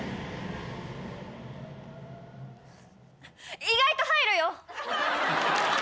意外と入るよ。